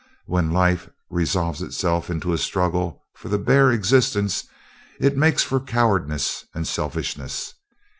When life resolves itself into a struggle for a bare existence, it makes for cowardice and selfishness.